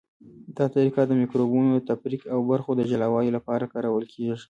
دا طریقه د مکروبونو د تفریق او برخو د جلاوالي لپاره کارول کیږي.